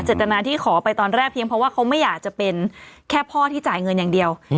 จตนาที่ขอไปตอนแรกเพียงเพราะว่าเขาไม่อยากจะเป็นแค่พ่อที่จ่ายเงินอย่างเดียว